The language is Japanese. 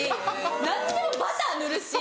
何でもバター塗るし。